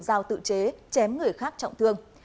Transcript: dao tự chế chém người khác trọng thương